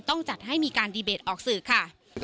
ต้องจัดให้มีการดีเบตออกสื่อค่ะ